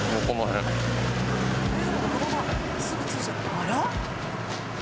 あら？